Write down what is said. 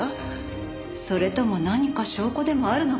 それとも何か証拠でもあるのかしら？